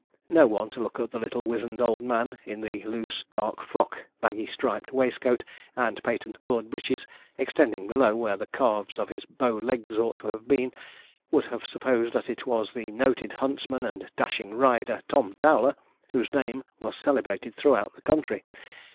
No one, to look at the little wizen'd old man in the loose dark frock, baggy striped waistcoat, and patent cord breeches, extending below where the calves of his bow legs ought to have been, would have supposed that it was the noted huntsman and dashing rider, Tom Towler, whose name was celebrated throughout the country.